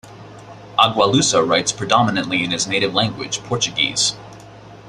Agualusa writes predominantly in his native language, Portuguese.